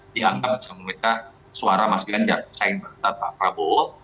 dianggap bisa menulisnya suara mas ganjak sayang sayang pak prabowo